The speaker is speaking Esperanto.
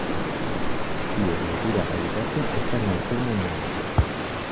Ties natura habitato estas malfermaj maroj.